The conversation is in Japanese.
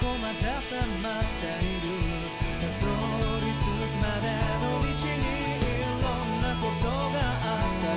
「辿り着くまでの道にいろんなことがあったよな」